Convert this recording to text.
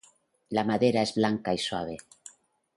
La madera es blanca y suave.